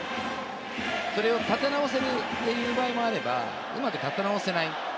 それを立て直せるという場合もあれば、うまく立て直せない。